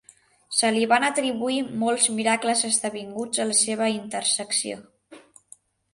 Se li van atribuir molts miracles esdevinguts a la seva intercessió.